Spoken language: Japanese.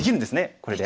これで。